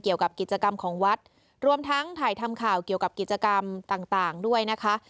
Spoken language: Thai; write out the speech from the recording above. เกี่ยวกับกิจกรรมของวัดรวมทั้งถ่ายทำข่าวเกี่ยวกับกิจกรรมต่างด้วยนะคะ